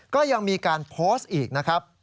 ก็ยังมีการโพสต์อีกนะครับ